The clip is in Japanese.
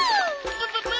プププ！